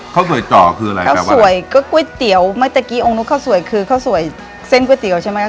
ค่ะกล้วยเตี๋ยวยอมดูข้าวสวยคือเช่นเน้อเตี๋ยวใช่ไหมครับ